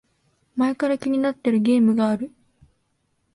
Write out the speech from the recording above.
前から気になってるゲームがある